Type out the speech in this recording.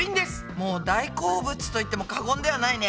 もう大好物と言っても過言ではないね。